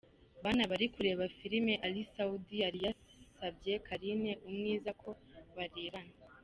bana bari kureba filime, Ally Soudi yari yasabye Carine Umwiza ko barebana